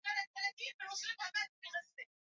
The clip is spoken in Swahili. Sentensi ni nzuri.